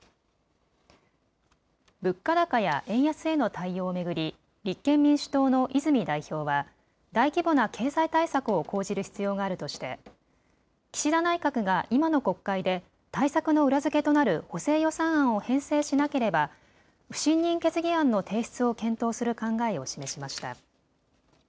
物価高や円安への対応を巡り立憲民主党の泉代表は大規模な経済対策を講じる必要があるとして岸田内閣が今の国会で対策の裏付けとなる補正予算案を編成しなければ不信任決議案の提出を検討する考えを示しました。